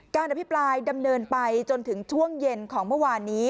อภิปรายดำเนินไปจนถึงช่วงเย็นของเมื่อวานนี้